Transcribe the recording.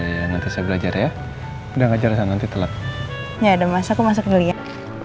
ya udah masa aku masuk